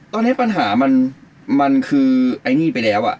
ตอนนี้ปัญหามันคือไอ้นี่ไปแล้ว